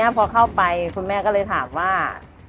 พอเข้าไปคุณแม่ก็เลยถามว่า